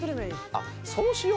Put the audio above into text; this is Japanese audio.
あっそうしよう。